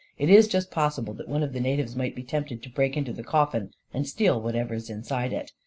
It is just possible that one of the natives might be tempted to break into the coffin and steal whatever's inside it.